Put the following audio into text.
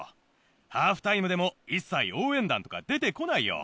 ハーフタイムでも一切応援団とか出て来ないよ。